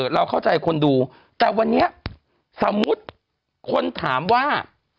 แต่วันนี้สมมติคนถามว่า